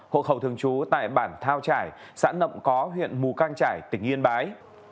hộ khẩu thường trú tại bản thao trải xã nậm có huyện mù căng trải tỉnh yên bái